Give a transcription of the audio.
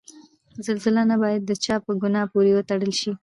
زلزله نه باید د چا په ګناه پورې وتړل شي.